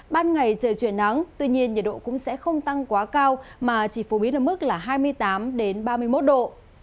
ban ngày trời chuyển nắng tuy nhiên nhiệt độ cũng sẽ không tăng quá cao mà chỉ phổ biến ở mức là hai mươi tám ba mươi một độ